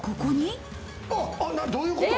えっ、どういうこと？